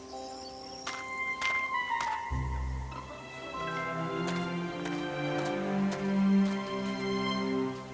kau tidak perlu berbicara